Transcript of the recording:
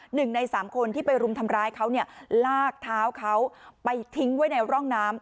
หนึ่งในสามคนที่ไปรุมทำร้ายเขาเนี่ยลากเท้าเขาไปทิ้งไว้ในร่องน้ำ